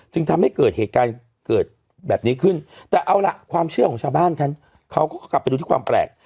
ทำให้เกิดเหตุการณ์เกิดแบบนี้ขึ้นแต่เอาล่ะความเชื่อของชาวบ้านกันเขาก็กลับไปดูที่ความแปลก